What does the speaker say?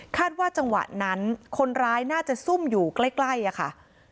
ว่าจังหวะนั้นคนร้ายน่าจะซุ่มอยู่ใกล้ค่ะ